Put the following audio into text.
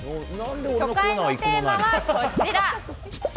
初回のテーマはこちら。